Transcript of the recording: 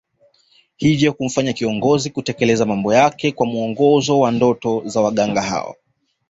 Hivyo kumfanya kiongozi kutekeleza mambo yake kwa mwongozo wa ndoto za waganga hao